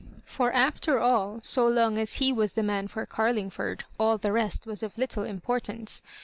For, after idl, so long as he was the man for Carlmgford, aU the rest was of little importance.